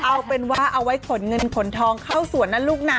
เอาเป็นว่าเอาไว้ขนเงินขนทองเข้าสวนนะลูกนะ